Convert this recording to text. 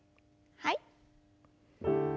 はい。